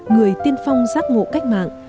người tiên phong giác ngộ cách mạng